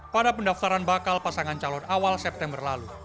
pada pendaftaran bakal pasangan calon awal september lalu